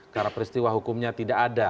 karena peristiwa hukumnya tidak ada